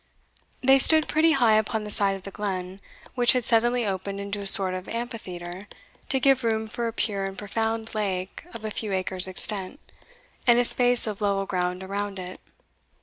They stood pretty high upon the side of the glen, which had suddenly opened into a sort of amphitheatre to give room for a pure and profound lake of a few acres extent, and a space of level ground around it.